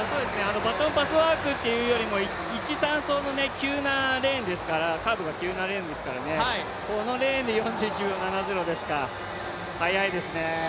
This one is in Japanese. バトンパスワークというよりも、１、３走のカーブが急なレーンですからこのレーンで４１秒７０ですか速いですね。